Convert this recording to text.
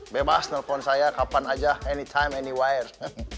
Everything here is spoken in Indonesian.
bebas nelfon saya kapan aja anytime anywhere